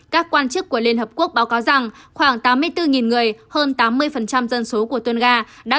các quan chức của liên hợp quốc báo cáo rằng khoảng tám mươi bốn người hơn tám mươi dân số của tunga đã